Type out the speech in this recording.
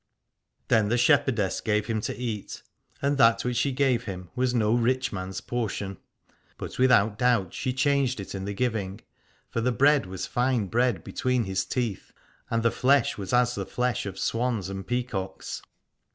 Then the shepherdess gave him to eat : and that which she gave him was no rich man's portion. But without doubt she changed it in the giving: for the bread was fine bread between his teeth, and the flesh was as the flesh of swans and peacocks.